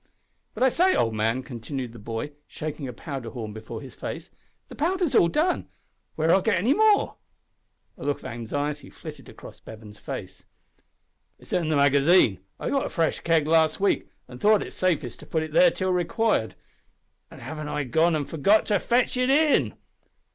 "But, I say, old man," continued the boy, shaking a powder horn before his face, "the powder's all done. Where'll I git more?" A look of anxiety flitted across Bevan's face. "It's in the magazine. I got a fresh keg last week, an' thought it safest to put it there till required an' haven't I gone an' forgot to fetch it in!"